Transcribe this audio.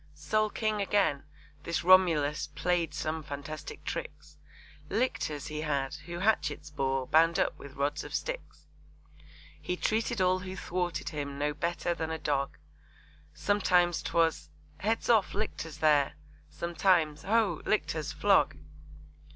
Sole King again, this Romulus Play'd some fantastic tricks, Lictors he had, who hatchets bore Bound up with rods of sticks. He treated all who thwarted him No better than a dog, Sometimes 'twas 'Heads off, Lictors, there!' Sometimes 'Ho! Lictors, flog!'